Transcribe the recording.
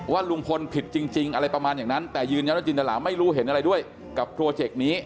ลุงพลผิดจริงอะไรประมาณอย่างนั้นแต่ยืนยันว่าจินตราไม่รู้เห็นอะไรด้วยกับโปรเจกต์นี้